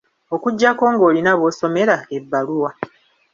Okuggyako ng'olina b'osomera ebbaluwa.